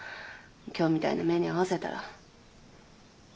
今日みたいな目に遭わせたら。